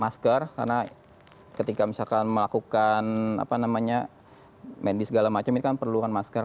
masker karena ketika misalkan melakukan apa namanya mandi segala macam ini kan perluan masker